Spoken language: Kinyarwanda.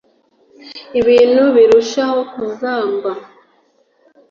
ibintu birushaho kuzamba